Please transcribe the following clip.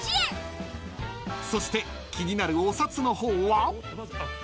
［そして気になるお札の方は］